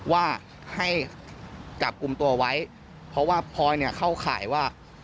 ว่าให้จับกลุ่มตัวไว้เพราะว่าพลอยเนี่ยเข้าข่ายว่า